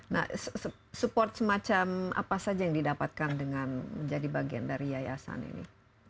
nah support semacam apa saja yang didapatkan dengan menjadi bagian dari yayasan ini